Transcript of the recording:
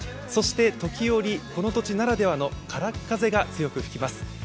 そして時折、この土地ならではの空っ風が強く吹きます。